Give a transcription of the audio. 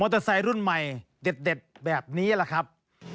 เตอร์ไซค์รุ่นใหม่เด็ดแบบนี้แหละครับ